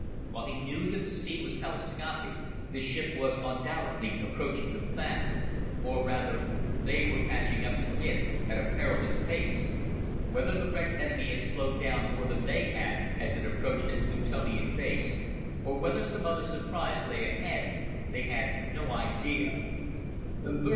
While he knew that the scene was telescopic, the ship was undoubtedly approaching them fast; or rather, they were catching up to it at a perilous pace! Whether the wrecked enemy had slowed down more than they had, as it approached its Plutonian base, or whether some other surprise lay ahead, they had no idea.